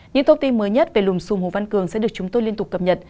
những thông tin mới nhất về lùm xùm hồ văn cường sẽ được chúng tôi liên tục cập nhật